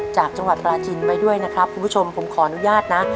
จากจังหวัดปราจินไว้ด้วยนะครับคุณผู้ชมผมขออนุญาตนะ